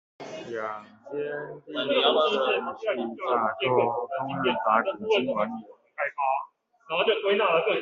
養天地正氣炸鍋，烹飪法古今完人